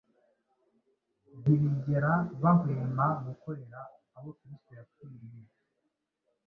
Ntibigera bahwema gukorera abo Kristo yapfiriye.